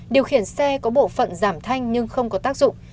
điều khiển xe có bộ phận giảm thanh nhưng không có tác dụng